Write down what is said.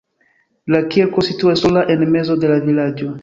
La kirko situas sola en mezo de la vilaĝo.